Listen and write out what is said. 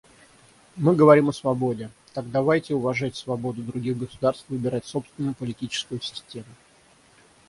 Мы говорим о свободе; так давайте уважать свободу других государств выбирать собственную политическую систему.